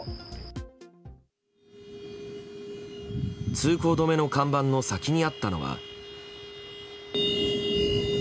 通行止めの看板の先にあったのは。